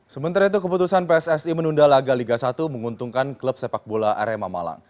sementara itu keputusan pssi menunda laga liga satu menguntungkan klub sepak bola arema malang